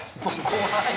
怖い！